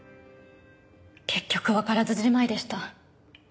結局わからずじまいでした。